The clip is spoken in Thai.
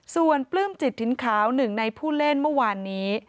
ส่วนปลื้มจิตถิ่นขาวหนึ่งในผู้เล่นเมื่อวานนี้